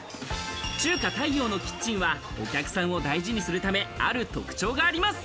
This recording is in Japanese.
中華太陽のキッチンはお客さんを大事にするため、ある特徴があります。